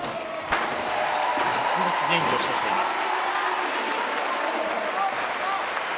確実に演技をしてきています。